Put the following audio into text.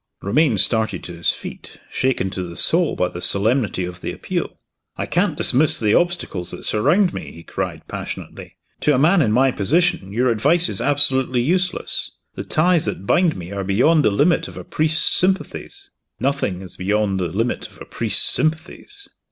Romayne started to his feet, shaken to the soul by the solemnity of the appeal. "I can't dismiss the obstacles that surround me!" he cried, passionately. "To a man in my position, your advice is absolutely useless. The ties that bind me are beyond the limit of a priest's sympathies." "Nothing is beyond the limit of a priest's sympathies."